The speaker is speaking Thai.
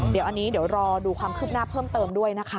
เดี๋ยวรอดูความคืบหน้าเพิ่มเติมด้วยนะคะ